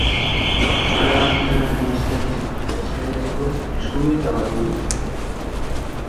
Ale bat Interneten eskaintzeko, eskegitzeko, eskubidea badugu?